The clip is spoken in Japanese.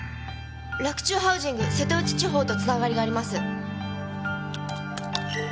洛中ハウジング瀬戸内地方と繋がりがあります。